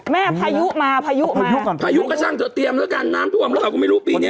แม่พายุมาพายุก็ช่างเตรียมแล้วกันน้ำท่วมแล้วก็ไม่รู้ปีนี้